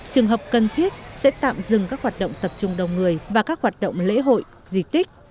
trường hợp cần thiết sẽ tạm dừng các hoạt động tập trung đông người và các hoạt động lễ hội di tích